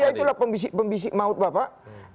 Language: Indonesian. ya itulah pembisik maut bapak